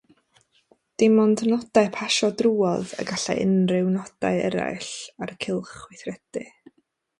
Dim ond nodau pasio drwodd y gallai unrhyw nodau eraill ar y cylch weithredu.